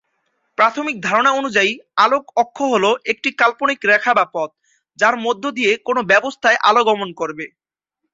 প্রাথমিক ধারণা অনুযায়ী, আলোক অক্ষ হলো একটি কাল্পনিক রেখা বা পথ, যার মধ্য দিয়ে কোনো ব্যবস্থায় আলো গমন করবে।